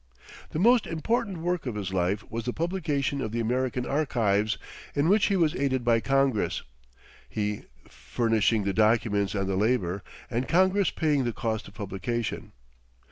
The most important work of his life was the publication of the American Archives, in which he was aided by Congress; he furnishing the documents and the labor, and Congress paying the cost of publication.